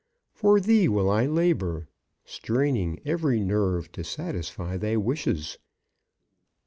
For thee will I labour, straining every nerve to satisfy thy wishes.